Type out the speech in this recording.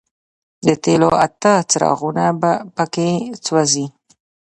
د تېلو اته څراغونه په کې سوځي.